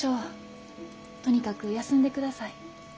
とにかく休んでください。